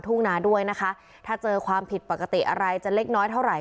ทุ่งนาด้วยนะคะถ้าเจอความผิดปกติอะไรจะเล็กน้อยเท่าไหร